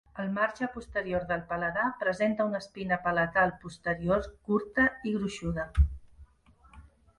El marge posterior del paladar presenta una espina palatal posterior curta i gruixuda.